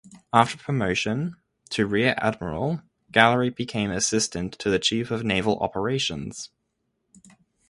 After promotion to rear admiral, Gallery became Assistant to the Chief of Naval Operations.